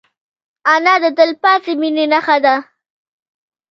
انا د تلپاتې مینې نښه ده